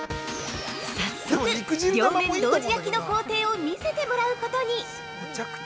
◆早速、両面同時焼きの工程を見せてもらうことに！